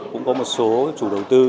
cũng có một số chủ đầu tư